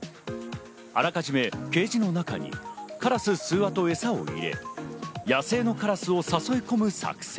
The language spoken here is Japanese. あらかじめケージの中にカラス数羽とえさを入れ、野生のカラスを誘い込む作戦。